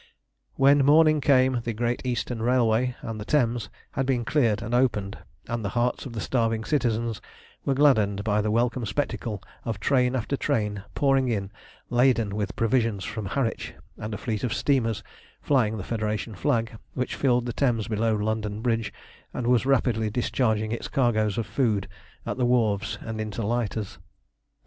When morning came the Great Eastern Railway and the Thames had been cleared and opened, and the hearts of the starving citizens were gladdened by the welcome spectacle of train after train pouring in laden with provisions from Harwich, and of a fleet of steamers, flying the Federation flag, which filled the Thames below London Bridge, and was rapidly discharging its cargoes of food at the wharves and into lighters.